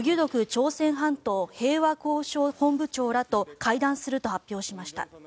朝鮮半島平和交渉本部長らと会談すると発表しました。